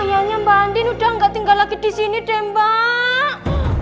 ayahnya mbak andin udah gak tinggal lagi di sini deh mbak